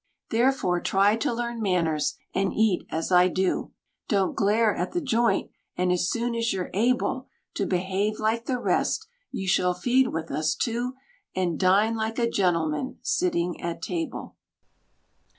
Therefore try to learn manners, and eat as I do; Don't glare at the joint, and as soon as you're able To behave like the rest, you shall feed with us too, And dine like a gentleman sitting at table.